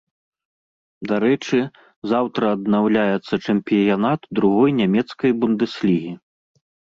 Дарэчы, заўтра аднаўляецца чэмпіянат другой нямецкай бундэслігі.